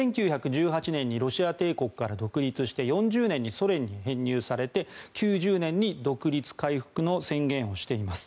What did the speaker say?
１９１８年にロシア帝国から独立して４０年にソ連に編入されて９０年に独立回復の宣言をしています。